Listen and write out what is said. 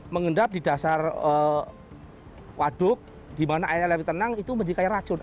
mengendap di dasar waduk di mana airnya lebih tenang itu menjadi kayak racun